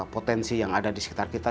potensi yang ada di sekitar kita